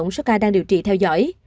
số ca đang điều trị theo dõi